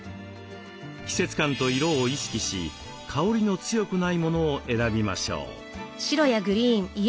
季節感と色を意識し香りの強くないものを選びましょう。